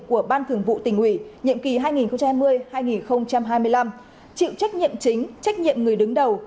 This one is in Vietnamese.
của ban thường vụ tỉnh ủy nhiệm kỳ hai nghìn hai mươi hai nghìn hai mươi năm chịu trách nhiệm chính trách nhiệm người đứng đầu